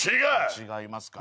違いますか。